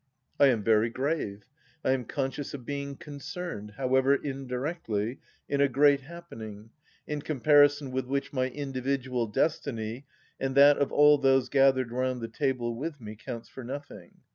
I am very grave. I am conscious of being concerned, however indirectly, in a great happening, in comparison with which my individual destiny and that of all those gathered round the table with me counts for nothing.